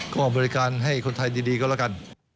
ก็บริการให้คนไทยดีก็แล้วกัน